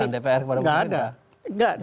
dpr enggak ada